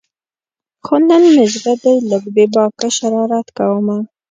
خو نن مې زړه دی لږ بې باکه شرارت کومه